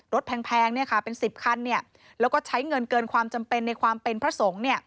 แพงเป็น๑๐คันแล้วก็ใช้เงินเกินความจำเป็นในความเป็นพระสงฆ์